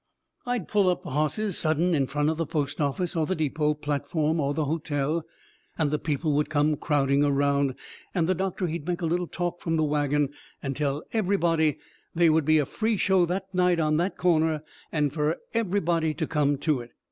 I'd pull up the hosses sudden in front of the post office or the depot platform or the hotel, and the people would come crowding around, and the doctor he'd make a little talk from the wagon, and tell everybody they would be a free show that night on that corner, and fur everybody to come to it.